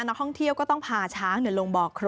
นักท่องเที่ยวก็ต้องพาช้างลงบ่อครู